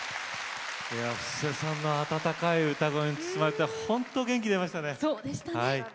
布施さんの温かい歌声に包まれて本当に元気が出ましたね。